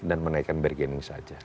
dan menaikkan bergening saja